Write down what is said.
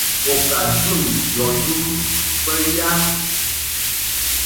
U ka jun yɔ yum bə ya?